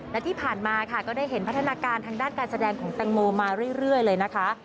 และที่ผ่านมาค่ะก็ได้เห็นพัฒนาการทางด้านการแสดงของแตงโมมาเรื่อยเลยนะคะ